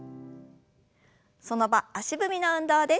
その場足踏みの運動です。